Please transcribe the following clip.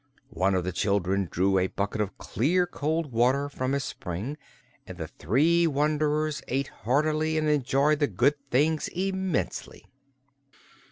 One of the children drew a bucket of clear, cold water from a spring and the three wanderers ate heartily and enjoyed the good things immensely.